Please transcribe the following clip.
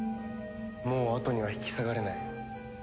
もうあとには引き下がれない。